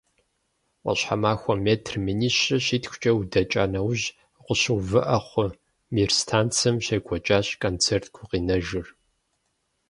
Ӏуащхьэмахуэ метр минищрэ щитхукӏэ удэкӀа нэужь, укъыщыувыӀэ хъу, «Мир» станцым щекӀуэкӀащ концерт гукъинэжыр.